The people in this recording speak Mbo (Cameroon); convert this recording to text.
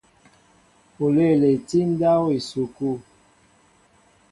Oléele tí ndáw esukul.